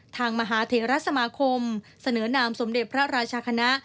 ทางมหาเทรสมาคมเสนอนามสมเด็จพระราชคณะ